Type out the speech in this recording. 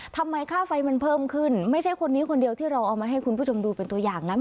ค่าไฟมันเพิ่มขึ้นไม่ใช่คนนี้คนเดียวที่เราเอามาให้คุณผู้ชมดูเป็นตัวอย่างนะ